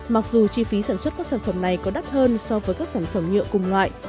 mặc dù chi phí sản xuất các sản phẩm này có đắt hơn so với các sản phẩm nhựa cùng loại